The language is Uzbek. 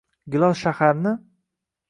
gilos shaharni